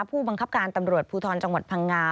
ผู้บังคับการตำรวจภูทรจังหวัดพังงา